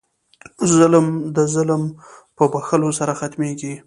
ظلم د ظلم په بښلو سره ختمېږي.